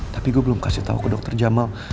tapi gue belum kasih tahu ke dokter jamal